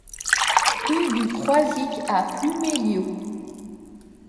Rue du Croizic à Pluméliau